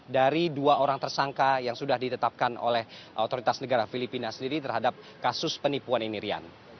dari dua orang tersangka yang sudah ditetapkan oleh otoritas negara filipina sendiri terhadap kasus penipuan ini rian